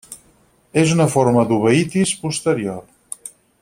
És una forma d'uveïtis posterior.